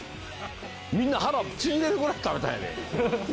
みんな、腹ちぎれるくらい食べたんやで！